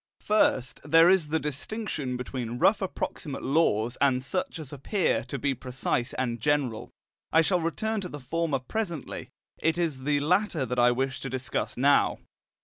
First, there is the distinction between rough approximate laws and such as appear to be precise and general. I shall return to the former presently; it is the latter that I wish to discuss now.